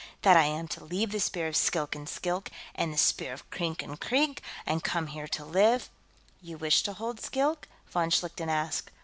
That I am to leave the Spear of Skilk in Skilk and the Spear of Krink in Krink, and come here to live...." "You wish to hold Skilk?" von Schlichten asked.